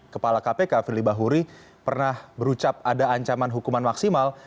kepala kpk firly bahuri pernah berucap ada ancaman hukuman maksimal